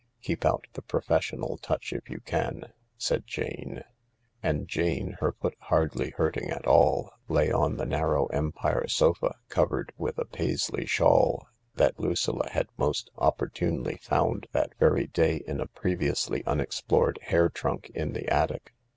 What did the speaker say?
Keep out the professional touch if you can," said Jane.) And Jane, her foot hardly hurting at all, lay on the narrow Empire sofa, covered with the Paisley shawl that Lucilla had most opportunely found that very day in a previously unexplored hair trunk in the attic.